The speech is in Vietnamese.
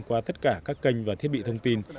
qua tất cả các kênh và thiết bị thông tin